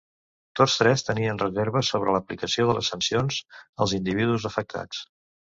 Tots tres tenien reserves sobre l'aplicació de les sancions als individus afectats.